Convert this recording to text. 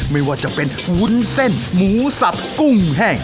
ไม่ว่าจะเป็นวุ้นเส้นหมูสับกุ้งแห้ง